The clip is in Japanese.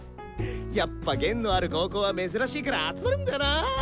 やっぱ弦のある高校は珍しいから集まるんだよな。